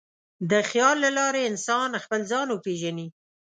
د خیال له لارې انسان خپل ځان وپېژني.